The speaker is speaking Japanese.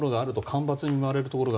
干ばつに見舞われるところか